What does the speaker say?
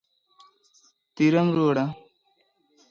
The National Center for Education Statistics provides more detail.